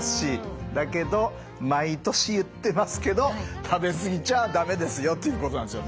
だけど毎年言ってますけど食べ過ぎちゃ駄目ですよということなんですよね。